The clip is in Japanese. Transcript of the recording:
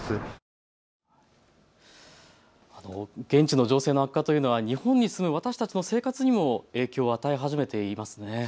現地の情勢の悪化というのは日本に住む私たちの生活にも影響を与え始めていますね。